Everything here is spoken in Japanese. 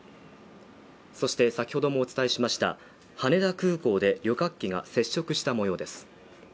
そして先ほどもお伝えしました羽田空港で旅客機が接触した模様です。